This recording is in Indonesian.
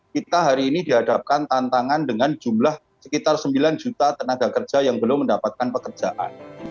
kita hari ini dihadapkan tantangan dengan jumlah sekitar sembilan juta tenaga kerja yang belum mendapatkan pekerjaan